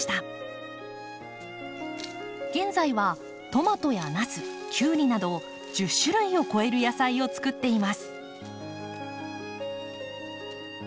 現在はトマトやナスキュウリなど１０種類を超える野菜をつくっています。